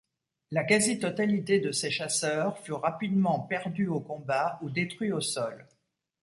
La quasi-totalité de ses chasseurs furent rapidement perdus au combat ou détruits au sol.